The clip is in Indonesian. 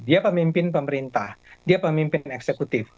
dia pemimpin pemerintah dia pemimpin eksekutif